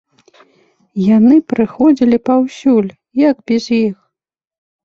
Яны праходзілі паўсюль, як без іх?